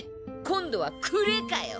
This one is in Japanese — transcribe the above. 今度は「くれ」かよ。